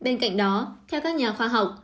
bên cạnh đó theo các nhà khoa học